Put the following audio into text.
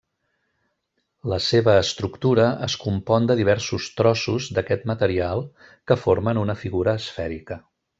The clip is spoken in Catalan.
La seva estructura es compon de diversos trossos d'aquest material que formen una figura esfèrica.